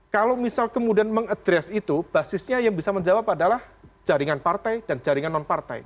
kalau misal kemudian mengadres itu basisnya yang bisa menjawab adalah jaringan partai dan jaringan non partai